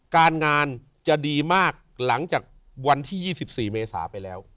การงานจะดีมากหลังจากวันที่๒๔เมษาไปแล้ว